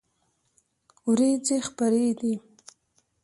ورېځې خپری دي